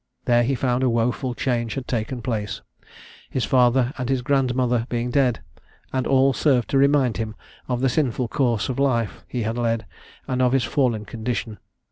There he found a woeful change had taken place, his father and his grandmother being dead; and all served to remind him of the sinful course of life he had led, and of his fallen condition.